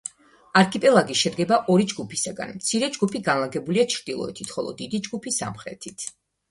არქიპელაგი შედგება ორი ჯგუფისაგან მცირე ჯგუფი განლაგებულია ჩრდილოეთით, ხოლო დიდი ჯგუფი სამხრეთით.